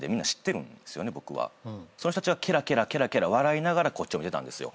その人たちはケラケラケラケラ笑いながらこっちを見てたんですよ。